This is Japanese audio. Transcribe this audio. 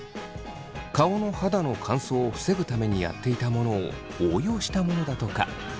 顔の肌の乾燥を防ぐためにやっていたものを応用したものだとか。